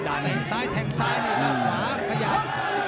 ซ้ายแทงซ้ายเลยครับขวาขยับ